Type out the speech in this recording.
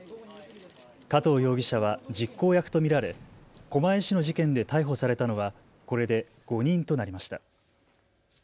加藤容疑者は実行役と見られ狛江市の事件で逮捕されたのはこれで５人となりました。